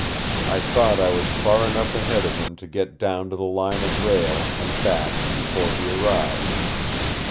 I thought I was far enough ahead of him to get down to the line of rail and back before he arrived.